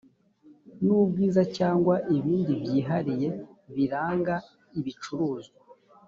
n ubwiza cyangwa ibindi byihariye biranga ibicuruzwa